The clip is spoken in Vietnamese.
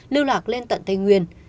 lưu lạc lên tận tây nguyên